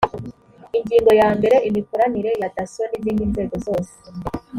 ingingo ya mbere imikoranire ya dasso n izindi nzego zose